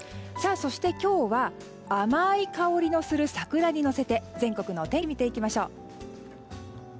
そして今日は甘い香りのする桜に乗せて全国のお天気見ていきましょう。